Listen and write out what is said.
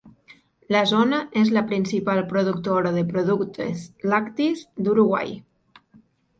La zona és la principal productora de productes lactis d'Uruguai.